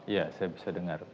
ya saya bisa dengar